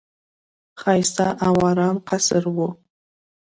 ښایسته او آرام قصر وو.